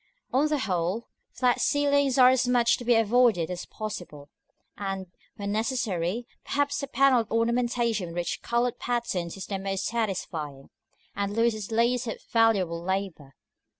On the whole, flat ceilings are as much to be avoided as possible; and, when necessary, perhaps a panelled ornamentation with rich colored patterns is the most satisfying, and loses least of valuable labor.